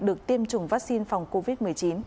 được tiêm chủng vaccine phòng covid một mươi chín